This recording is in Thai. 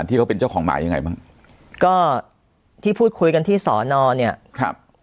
ที่เขาเป็นเจ้าของหมายังไงบ้างก็ที่พูดคุยกันที่สอนอเนี่ยครับ